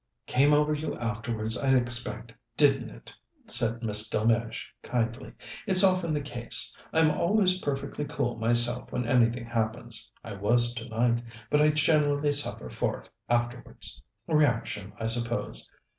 "Came over you afterwards, I expect, didn't it?" said Miss Delmege kindly. "It's often the case. I'm always perfectly cool myself when anything happens I was tonight but I generally suffer for it afterwards. Reaction, I suppose.